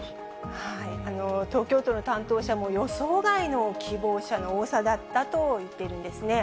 東京都の担当者も、予想外の希望者の多さだったと言っているんですね。